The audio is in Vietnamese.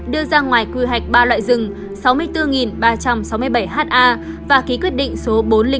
đưa ra ngoài quy hoạch ba loại rừng sáu mươi bốn ba trăm sáu mươi bảy ha và ký quyết định số bốn trăm linh bốn